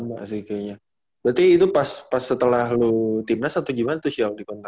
udah lama sih kayaknya berarti itu pas setelah lu timnas atau gimana tuh siapa di kontaknya